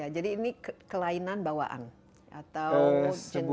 jadi ini kelainan bawaan atau genetik